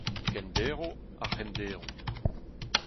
kenderv, ar c'henderv